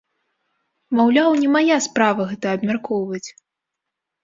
Маўляў, не мая справа гэта абмяркоўваць.